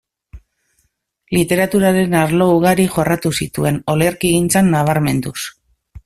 Literaturaren arlo ugari jorratu zituen, olerkigintzan nabarmenduz.